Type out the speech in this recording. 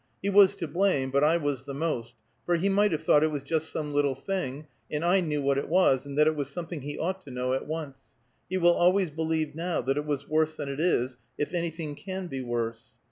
He was to blame, but I was the most, for he might have thought it was just some little thing, and I knew what it was, and that it was something he ought to know at once. He will always believe now that it was worse than it is, if anything can be worse.